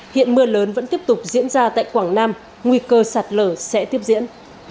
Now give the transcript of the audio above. hiện mưa lớn vẫn tiếp tục diễn ra tại quảng nam nguy cơ sạt lở sẽ tiếp diễn